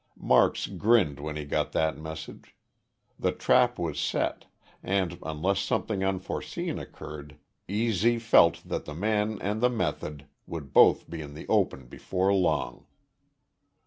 Marks grinned when he got that message. The trap was set, and, unless something unforeseen occurred, "E. Z." felt that the man and the method would both be in the open before long.